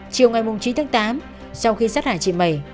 chiều ngày chín tháng tám sau khi sát hại chị mẩy